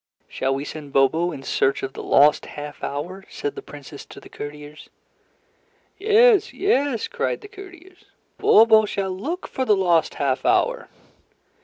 "Shall we send Bobo in search of the lost half hour?" said the Princess to the courtiers. "Yes! Yes!" cried the courtiers. "Bobo shall look for the lost half hour."